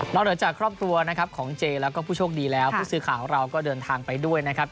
แล้วเดี๋ยวจากครอบครัวของเจแล้วก็ผู้โชคดีแล้วผู้สื่อข่าวเราก็เดินทางไปด้วยนะครับ